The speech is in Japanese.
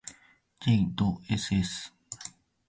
ｊ ど ｓｓ